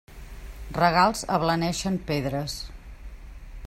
Regals ablaneixen pedres.